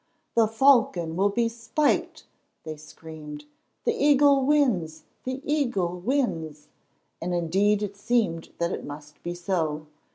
"The Falcon will be spiked," they screamed. "The Eagle wins!—the Eagle wins!" And indeed it seemed that it must be so.